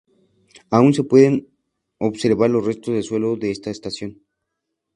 Aun se pueden observar los restos de suelo de esta estación.